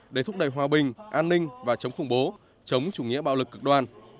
để thúc đẩy hòa bình an ninh và chống khủng bố chống chủ nghĩa bạo lực cực đoan